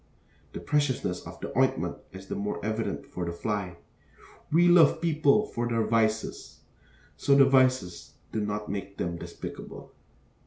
The preciousness of the ointment is the more evident for the fly. 'We love people for their vices,' so the vices do not make them despicable.